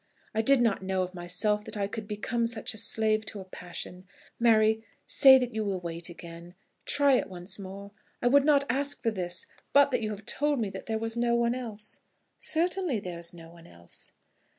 I did not know of myself that I could become such a slave to a passion. Mary, say that you will wait again. Try it once more. I would not ask for this, but that you have told me that there was no one else." "Certainly, there is no one else."